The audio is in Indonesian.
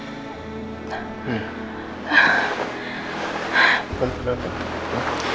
aku mimpi buruk